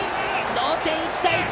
同点１対１！